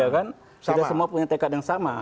kita semua punya tekad yang sama